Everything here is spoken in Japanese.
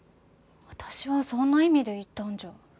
私はそんな意味で言ったんじゃ。